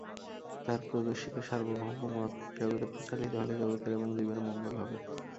তাঁর প্রদর্শিত সার্বভৌম মত জগতে প্রচারিত হলে জগতের এবং জীবের মঙ্গল হবে।